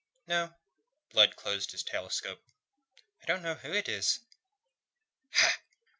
"No." Blood closed his telescope. "I don't know who it is." "Ha!"